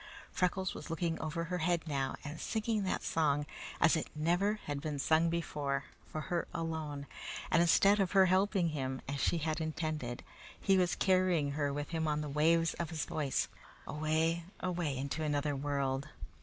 Freckles was looking over her head now and singing that song, as it never had been sung before, for her alone; and instead of her helping him, as she had intended, he was carrying her with him on the waves of his voice, away, away into another world.